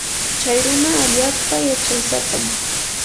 chay runa allaapa yachaysapam.